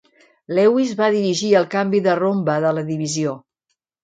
Lewis va dirigir el canvi de rombe de la divisió.